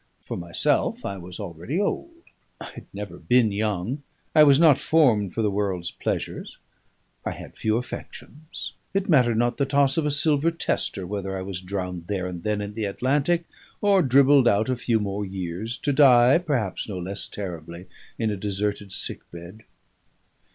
For myself, I was already old; I had never been young, I was not formed for the world's pleasures, I had few affections; it mattered not the toss of a silver tester whether I was drowned there and then in the Atlantic, or dribbled out a few more years, to die, perhaps no less terribly, in a deserted sick bed.